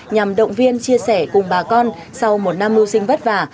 nhằm động viên chia sẻ cùng bà con sau một năm mưu sinh vất vả